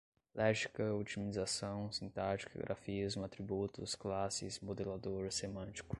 léxica, otimização, sintática, grafismo, atributos, classes, modelador, semântico